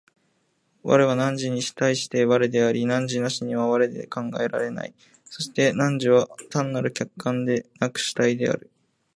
我は汝に対して我であり、汝なしには我は考えられない、そして汝は単なる客観でなく主体である。